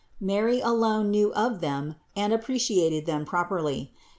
Mary alone knew of them and appreciated them properly.